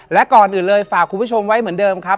และก่อนอื่นเลยฝากคุณผู้ชมไว้เหมือนเดิมครับ